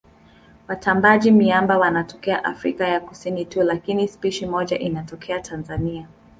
Watambaaji-miamba wanatokea Afrika ya Kusini tu lakini spishi moja inatokea Tanzania.